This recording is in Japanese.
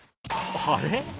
あれ？